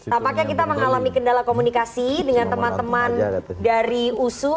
tampaknya kita mengalami kendala komunikasi dengan teman teman dari usu